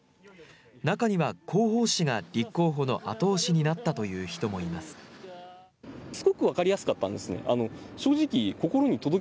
中には広報誌が立候補の後押しになったという人もいます。